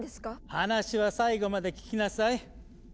話は最後まで聞きなさい。